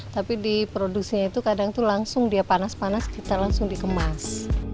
tapi di produksinya itu kadang itu langsung dia panas panas kita langsung dikemas